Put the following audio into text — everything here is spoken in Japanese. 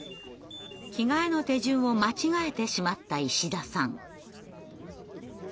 着替えの手順を間違えてしまった石田さん。